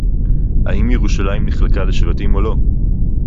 האם ירושלים נחלקה לשבטים או לא